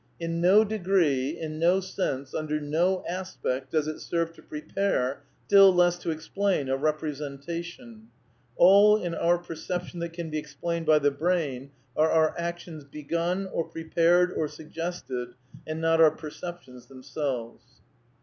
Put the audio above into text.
In no degree, in no sense, imder no aspect does it serve to prepare, still less to explain, a representation ... all in our perception that can be explained by the brain are our actions begun, or prepared or suggested, and not our perceptions themselves."